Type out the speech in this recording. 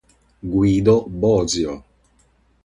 Guido Bosio